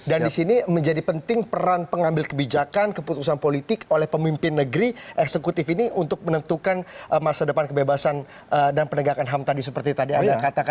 dan di sini menjadi penting peran pengambil kebijakan keputusan politik oleh pemimpin negeri eksekutif ini untuk menentukan masa depan kebebasan dan penegakan ham tadi seperti tadi anda katakan ya pak andreas